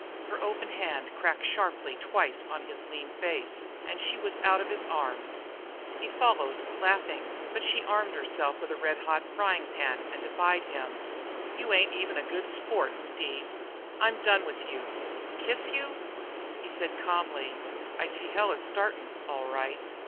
Her open hand cracked sharply twice on his lean face and she was out of his arms. He followed, laughing, but she armed herself with a red hot frying pan and defied him. "You ain't even a good sport, Steve. I'm done with you! Kiss you?" He said calmly: "I see the hell is startin', all right."